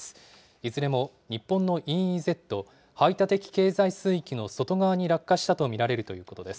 いずれも日本のＥＥＺ・排他的経済水域の外側に落下したと見られるということです。